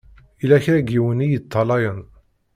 Yella kra n yiwen i yeṭṭalayen.